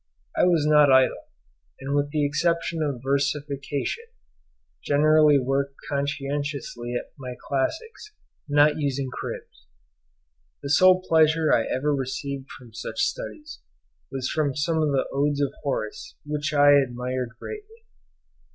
I was not idle, and with the exception of versification, generally worked conscientiously at my classics, not using cribs. The sole pleasure I ever received from such studies, was from some of the odes of Horace, which I admired greatly.